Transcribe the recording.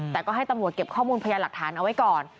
แต่ก็ให้ตำรวจเก็บข้อมูลพยานหลักฐานเอาไว้ก่อน